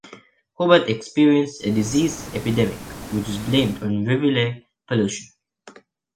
Hobart experienced a disease epidemic which was blamed on rivulet pollution.